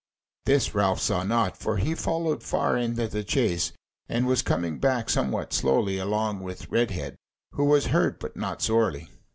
This Ralph saw not, for he followed far in the chase, and was coming back somewhat slowly along with Redhead, who was hurt, but not sorely.